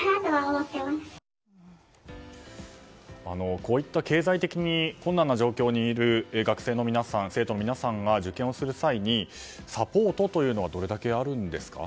こういった経済的に困難な状況にいる学生の皆さん生徒の皆さんが受験をする際にサポートというのはどれだけあるんですか？